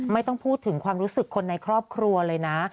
ไม่ต้องพูดถึงความรู้สึกคนในครอบครัวเลยนะ